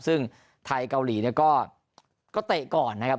ซึ่งไทยเกาหลีเนี่ยก็เตะก่อนนะครับ